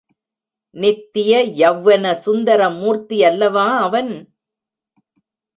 நித்திய யெளவன சுந்தரமூர்த்தி அல்லவா அவன்?